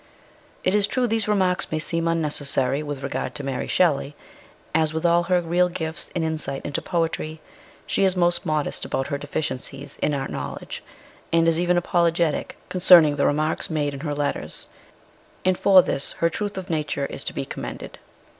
It is true these remarks may seem unnecessary with regard to Mary Shelley, as, with all her real gifts and insight into poetry, she is most modest about her deficiencies in art knowledge, and is even apologetic concerning the remarks made in her letters, and for this her truth of nature is to be commended.